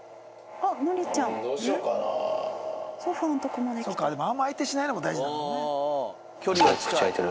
あんま相手しないのも大事なんだね。